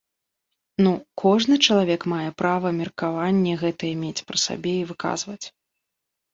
Ну, кожны чалавек мае права меркаванне гэтае мець пры сабе і выказваць.